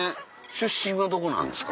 出身はどこなんですか？